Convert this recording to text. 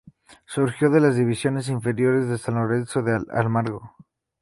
Surgió de las divisiones inferiores de San Lorenzo de Almagro.